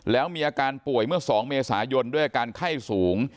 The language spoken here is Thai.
แล้วมีอาการป่วยเมื่อ๒เมษายนด้วยอาการไข้สูง